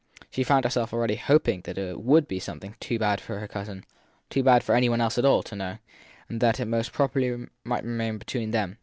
She found herself already hoping that it would be something too bad for her cousin too bad for any one else at all to know, and that it most properly might remain between them.